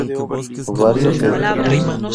Ovario ínfero.